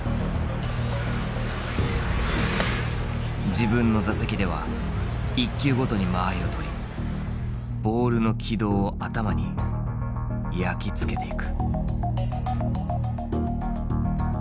自分の打席では１球ごとに間合いを取りボールの軌道を頭に焼き付けていく。